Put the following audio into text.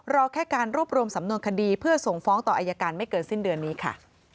รอแค่การรวบรวมสำนวนคดีเพื่อส่งฟ้องต่ออายการไม่เกินสิ้นเดือนนี้ค่ะ